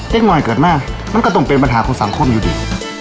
มอยเกิดมามันก็ต้องเป็นปัญหาของสังคมอยู่ดี